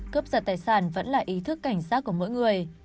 cướp giật tài sản vẫn là ý thức cảnh giác của mỗi người